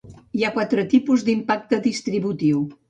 Hi ha quatre tipus d"impacte distributiu.